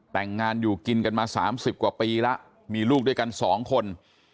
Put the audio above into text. แต่งงานอยู่กินกันมา๓๐กว่าปีแล้วมีลูกด้วยกัน๒คน